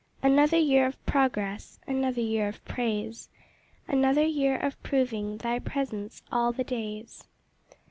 Another year of progress, Another year of praise; Another year of proving Thy presence 'all the days.'